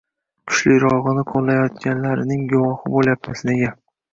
kuchlirog‘ini qo‘llayotganlarining guvohi bo‘lyapmiz. Nega?